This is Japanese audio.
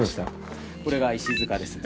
これが石塚です。